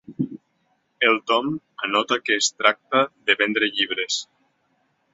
El Tom anota que es tracta de vendre llibres.